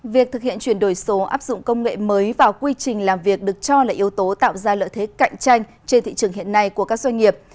việc thực hiện chuyển đổi số áp dụng công nghệ mới vào quy trình làm việc được cho là yếu tố tạo ra lợi thế cạnh tranh trên thị trường hiện nay của các doanh nghiệp